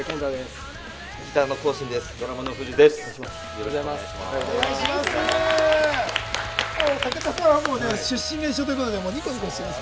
よろしくお願いします。